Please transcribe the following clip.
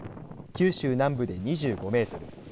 九州南部で２５メートル